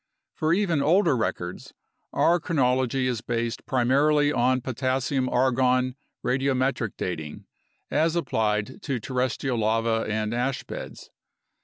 For even older records, our chronology is based primarily on potassium argon radiometric dating as applied to terrestrial lava and ash beds.